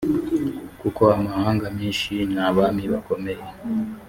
kuko amahanga menshi n abami bakomeye